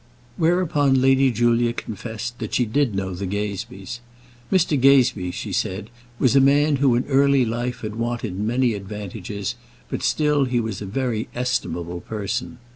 Whereupon Lady Julia confessed that she did know the Gazebees. Mr. Gazebee, she said, was a man who in early life had wanted many advantages, but still he was a very estimable person.